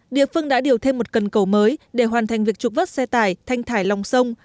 địa phương đã điều thêm một cần cầu mới để hoàn thành việc trục vất xe tải thanh thải lòng sông